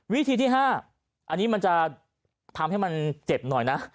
วิธีที่๕อันนี้มันจะทำให้มันเจ็บหน่อยนะ